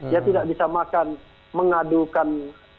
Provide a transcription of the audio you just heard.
ya tidak bisa makan mengadukan